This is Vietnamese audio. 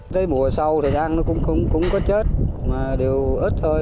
tới mùa sau thì ăn nó cũng có chết mà đều ít thôi